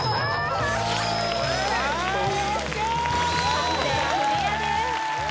判定はクリアです